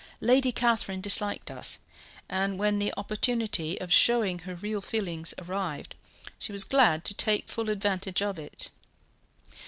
Lady Catherine disliked us, and when the opportunity of showing her real feelings arrived, she was glad to take full advantage of it."